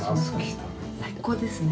◆最高ですね。